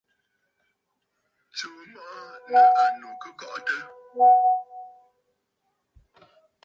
Tsùu mɔʼɔ nɨ̂ ànnù kɨ kɔʼɔtə̂.